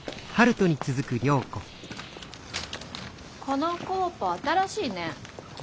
このコーポ新しいね。